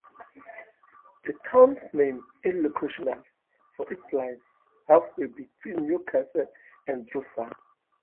The town's name is locational, for it lies halfway between New Castle and Anderson.